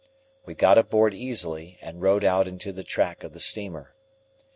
We got aboard easily, and rowed out into the track of the steamer.